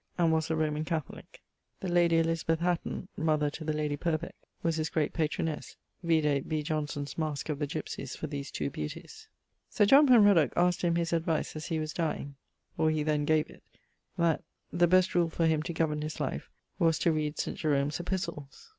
and was a Roman Catholique. The lady Elizabeth Hatton (mother to the lady Purb) was his great patronesse (vide B. Jonson's masque of the Gipsies for these two beauties). Sir J P asked him his advice as he was dyeing, (or he then gave it) that, the best rule for him to governe his life was to reade St. Hierome's Epistles.